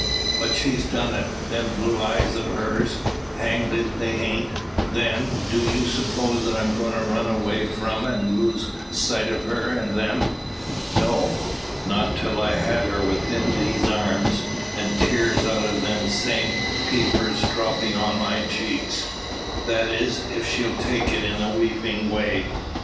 But she's done it them blue eyes of hers; hanged if they hain't! Then, do you suppose that I'm going to run away from, and lose sight o' her and them? No; not till I've had her within these arms, and tears out o' them same peepers droppin' on my cheeks. That is, if she take it in the weepin' way."